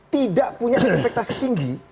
tidak punya ekspektasi tinggi